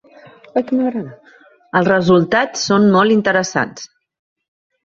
Els resultats són molt interessants.